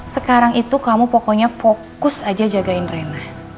sekarang itu kamu pokoknya fokus aja jagain rena